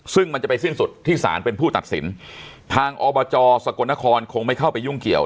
ซึ่งมันจะไปสิ้นสุดที่ศาลเป็นผู้ตัดสินทางอบจสกลนครคงไม่เข้าไปยุ่งเกี่ยว